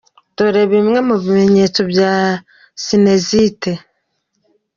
Dore bimwe mu bimenyetso bya sinezite.